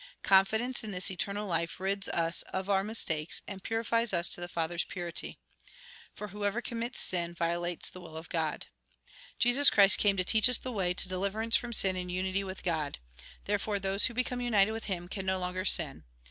Confidence in this eternal life rids us of our mistakes, and purifies us to the Father's purity. 1 Jn. ii. 4. A SUMMARY ■63 1 Jn. iii. 4. For whoever commits sin, violates the will of God. Jesus Christ came to teach us the way to deliver ance from sin and unity with God. Therefore those who become united with Him can no longer sin.